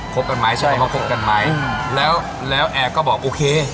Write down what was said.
คบกันไหมใช่ความว่าคบกันไหมแล้วแอกก็บอกโอเค